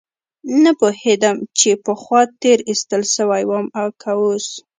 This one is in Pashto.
نه پوهېدم چې پخوا تېر ايستل سوى وم که اوس.